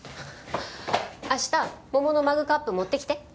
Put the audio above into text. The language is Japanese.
明日桃のマグカップ持ってきて。